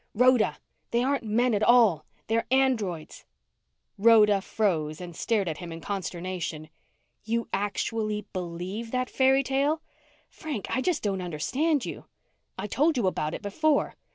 "Rhoda! They aren't men at all. They're androids!" Rhoda froze and stared at him in consternation. "You actually believe that fairy tale? Frank, I just don't understand you." "I told you about it before."